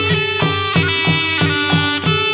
มีชื่อว่าโนราตัวอ่อนครับ